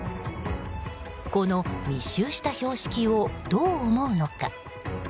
この密集した標識をどう思うのか。